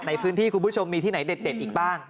ในพื้นที่คุณผู้ชมมีที่ไหนเด็ดอีกบ้าง